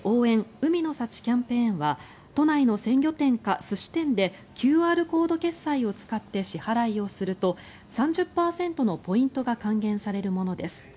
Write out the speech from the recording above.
海の幸キャンペーンは都内の鮮魚店か寿司店でＱＲコード決済を使って支払いをすると３０％のポイントが還元されるものです。